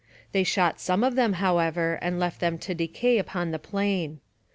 They shot some of them, however, and left them to decay upon the plain.